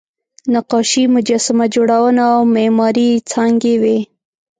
نقاشي، مجسمه جوړونه او معماري یې څانګې وې.